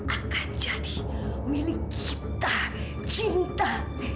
akan jadi milik kita cinta